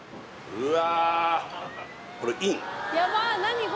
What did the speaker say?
うわ